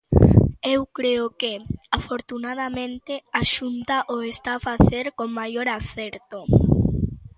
Eu creo que, afortunadamente, a Xunta o está a facer con maior acerto.